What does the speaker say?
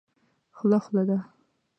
خوله خوله ده.